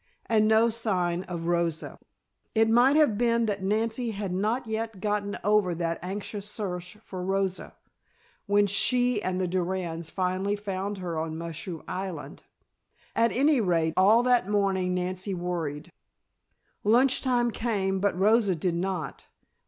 And no sign of Rosa! It might have been that Nancy had not yet gotten over that anxious search for Rosa, when she and the Durands finally found her on Mushroom Island, at any rate, all that morning Nancy worried. Lunch time came but Rosa did not.